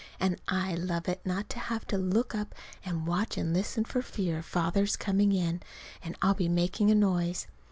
And I love it not to have to look up and watch and listen for fear Father's coming in and I'll be making a noise.